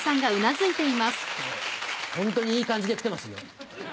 ホントにいい感じで来てますよ。